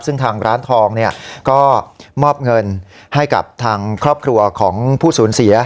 ซึ่งทางร้านทองเนี่ยก็มอบเงินให้กับทางครอบครัวของผู้สูญเสีย